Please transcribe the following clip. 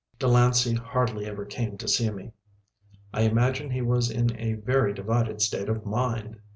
Delancey hardly ever came to see me. I imagine he was in a very divided state of mind!